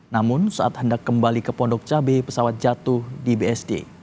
namun saat hendak kembali ke pondok cabai pesawat jatuh di bsd